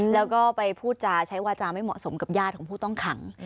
แล้วก็ไปพูดจาใช้วาจาไม่เหมาะสมกับญาติของผู้ต้องขัง